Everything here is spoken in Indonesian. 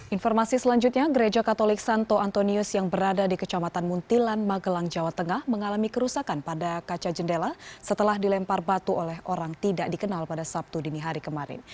informasi selanjutnya gereja katolik santo antonius yang berada di kecamatan muntilan magelang jawa tengah mengalami kerusakan pada kaca jendela setelah dilempar batu oleh orang tidak dikenal pada sabtu dini hari kemarin